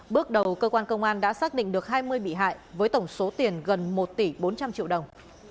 bước đầu cơ quan công an đã xác định được hai mươi bị hại với tổng số tiền gần một tỷ bốn trăm linh triệu đồng